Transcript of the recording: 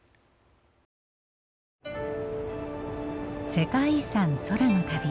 「世界遺産空の旅」。